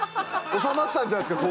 治まったんじゃないですか？